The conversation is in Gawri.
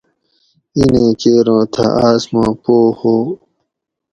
"اِنیں کیر اُوں تھۤہ آۤس ما پو ہو"""